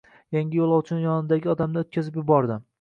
Yangi yo’lovchi yonidagi odamni o’tkazib yubordi